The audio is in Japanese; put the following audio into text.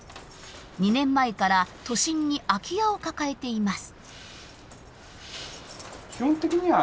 ２年前から都心に空き家を抱えています。